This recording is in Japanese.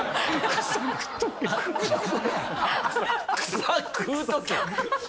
「草食うとけ」！？